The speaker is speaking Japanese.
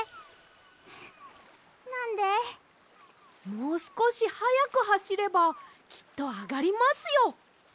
もうすこしはやくはしればきっとあがりますよ。